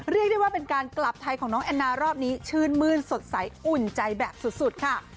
เรียกได้ว่าเป็นการกลับไทยของน้องแอนนารอบนี้ชื่นมื้นสดใสอุ่นใจแบบสุดค่ะ